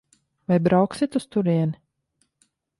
Vai brauksit uz turieni?